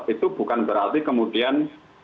itu bukan berarti kemudian